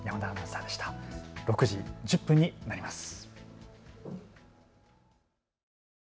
６時１０分になります。